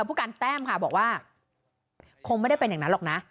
ผู้การแต้มค่ะบอกว่าคงไม่ได้เป็นอย่างนั้นหรอกนะ